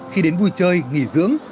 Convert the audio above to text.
khi đến vui chơi nghỉ dưỡng